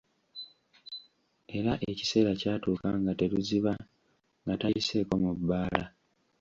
Era ekiseera kyatuuka nga teruziba nga tayiseeko mu bbaala.